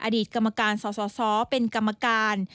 อดีตกรรมการสสเป็นกรรมการ